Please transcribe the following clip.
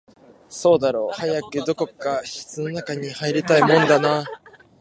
そうだろう、早くどこか室の中に入りたいもんだな